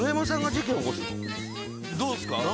どうですか？